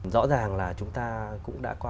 rõ ràng là chúng ta cũng đã